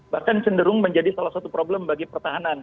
bahkan cenderung menjadi salah satu problem bagi pertahanan